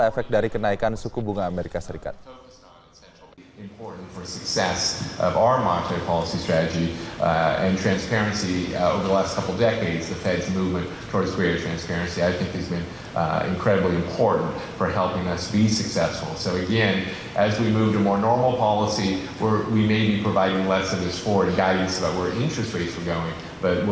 efek dari kenaikan suku bunga amerika serikat